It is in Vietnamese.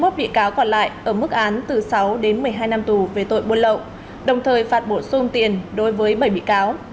hai mươi một bị cáo còn lại ở mức án từ sáu đến một mươi hai năm tù về tội buôn lậu đồng thời phạt bổ sung tiền đối với bảy bị cáo